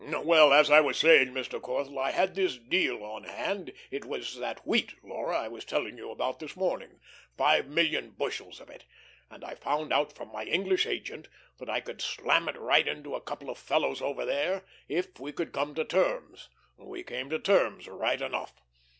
Well, as I was saying, Mr. Corthell, I had this deal on hand it was that wheat, Laura, I was telling you about this morning five million bushels of it, and I found out from my English agent that I could slam it right into a couple of fellows over there, if we could come to terms. We came to terms right enough.